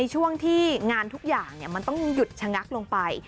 ช่วงที่งานทุกอย่างมันต้องหยุดชะงักลงไป